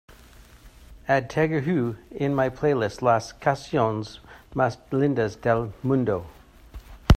add tiger hu in my playlist Las Canciones Más Lindas Del Mundo